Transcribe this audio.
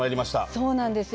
そうなんですよ。